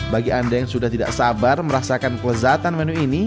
bagi anda yang sudah tidak sabar merasakan kelezatan menu ini